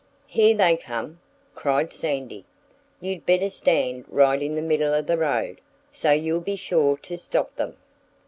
"Here they come!" cried Sandy. "You'd better stand right in the middle of the road, so you'll be sure to stop them."